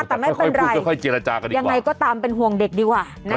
อ้าวแต่ไม่เป็นไรยังไงก็ตามเป็นห่วงเด็กดีกว่า